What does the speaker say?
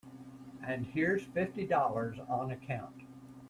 And here's fifty dollars on account.